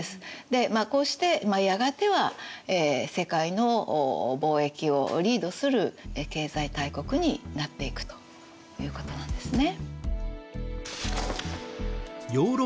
こうしてやがては世界の貿易をリードする経済大国になっていくということなんですね。